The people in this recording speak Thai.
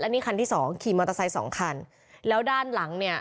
อันนี้คันที่สองขี่มอเตอร์ไซค์สองคันแล้วด้านหลังเนี่ย